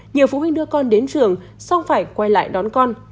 nhiều phụ huynh đưa con đến trường xong phải quay lại đón con